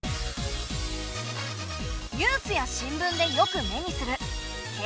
ニュースや新聞でよく目にする景気。